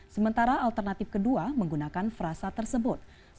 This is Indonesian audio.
sementara alternatif kedua menggunakan frasa tersebut